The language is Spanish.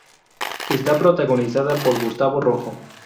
Esta protagonizada por Gustavo Rojo.